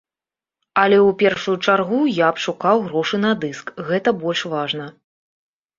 Але ў першую чаргу, я б шукаў грошы на дыск, гэта больш важна.